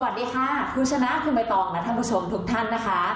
สวัสดีค่ะคุณชนะคุณใบตองและท่านผู้ชมทุกท่านนะคะ